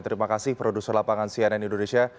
terima kasih produser lapangan cnn indonesia